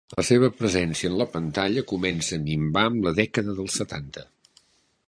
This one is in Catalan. La seva presència en la pantalla comença a minvar amb la dècada dels setanta.